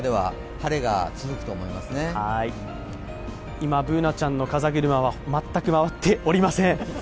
今、Ｂｏｏｎａちゃんの風車は全く回っておりません。